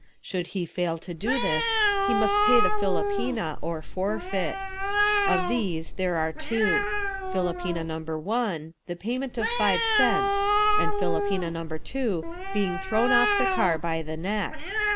Should he fail to do this he must pay the philopena or forfeit. Of these there are two: philopena No. 1, the payment of five cents, and philopena No. 2, being thrown off the car by the neck.